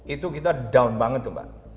itu kita down banget tuh mbak